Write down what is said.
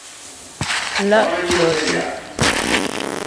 Lá' tyɔ́ te'.